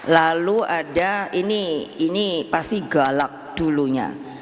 lalu ada ini ini pasti galak dulunya